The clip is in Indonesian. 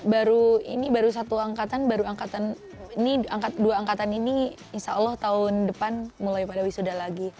baru ini baru satu angkatan baru angkatan ini angkat dua angkatan ini insya allah tahun depan mulai pada wisuda lagi